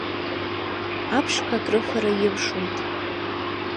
Аԥшқа акрыфара илшоит.